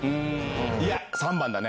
いや３番だね。